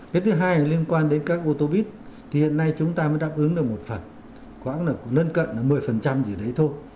cái thứ hai liên quan đến các ô tô vít thì hiện nay chúng ta mới đáp ứng được một phần quảng là lên cận một mươi gì đấy thôi